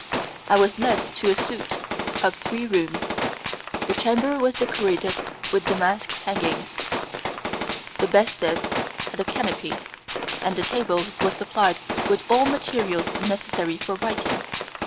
I was led to a suite of three rooms; the chamber was decorated with damask hangings, the bedstead had a canopy, and the table was supplied with all materials necessary for writing.